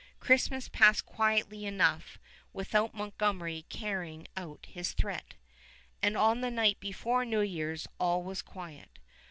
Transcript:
Christmas passed quietly enough without Montgomery carrying out his threat, and on the night before New Year's all was quiet.